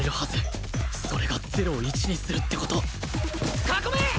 それが０を１にするって事囲め！